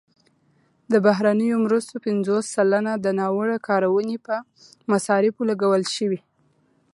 د بهرنیو مرستو پنځوس سلنه د ناوړه کارونې په مصارفو لګول شوي.